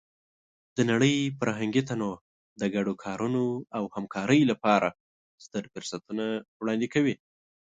د نړۍ فرهنګي تنوع د ګډو کارونو او همکارۍ لپاره ستر فرصتونه وړاندې کوي.